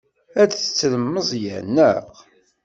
Ad tettrem Meẓyan, naɣ?